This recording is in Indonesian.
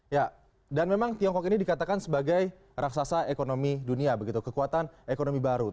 ya dan memang tiongkok ini dikatakan sebagai raksasa ekonomi dunia begitu kekuatan ekonomi baru